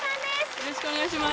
よろしくお願いします